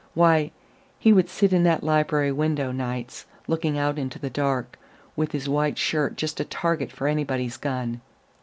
Why, he would sit in that library window, nights, looking out into the dark, with his white shirt just a target for anybody's gun.